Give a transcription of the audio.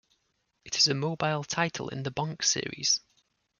It is a mobile title in the Bonk series.